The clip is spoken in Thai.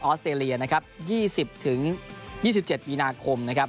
ออสเตรเลียนะครับยี่สิบถึงยี่สิบเจ็ดมีนาคมนะครับ